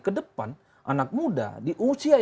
ke depan anak muda di usia yang masih muda